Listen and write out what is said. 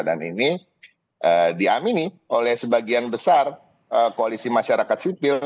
dan ini diamini oleh sebagian besar koalisi masyarakat sipil